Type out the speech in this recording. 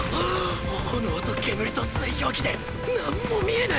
炎と煙と水蒸気で何も見えね